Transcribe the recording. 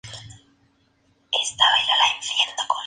La estación del funicular se llama Gelida-Inferior.